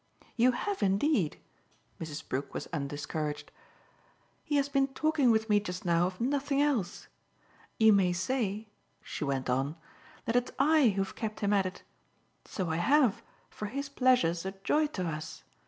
"You have indeed." Mrs. Brook was undiscouraged. "He has been talking with me just now of nothing else. You may say," she went on, "that it's I who have kept him at it. So I have, for his pleasure's a joy to us.